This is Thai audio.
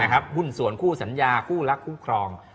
หุ้นส่วนคู่สัญญาคู่รักคู่ครอง